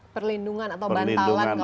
perlindungan atau bantalan